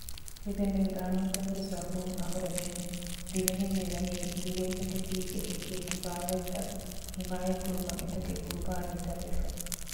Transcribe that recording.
މިދެންނެވި ޤާނޫނުތަކުގެ ސަބަބުން އަހުރެމެން ދިވެހިން މިވަނީ ދިރޭތަކެތީގެ އެކިއެކި ބާވަތްތައް ޙިމާޔަތްކުރުމަށް އެތަކެއް ޤުރުބާނީތައް ވެފަ